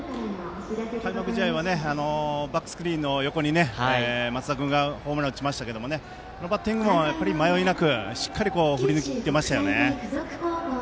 開幕試合はバックスクリーンの横に松田君がホームランを打ちましたがあのバッティングも迷いなくしっかりと振り抜いていましたよね。